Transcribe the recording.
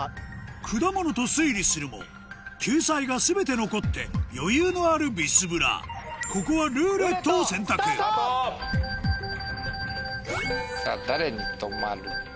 果物と推理するも救済が全て残って余裕のあるビスブラここは「ルーレット」を選択さぁ誰に止まるか。